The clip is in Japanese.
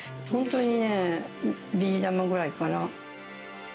本当にね、ビー玉ぐらいかな。